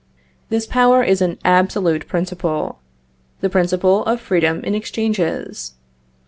This power is an absolute principle, the principle of freedom in exchanges.